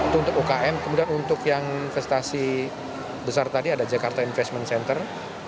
itu untuk ukm kemudian untuk yang investasi besar tadi ada jakarta investment center